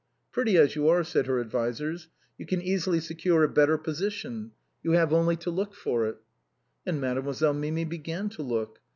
" Pretty as you are," said her advisers, " you can easily secure a better position. You have only to look for it." And Mademoiselle Mimi began to look.